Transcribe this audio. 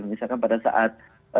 misalkan pada saat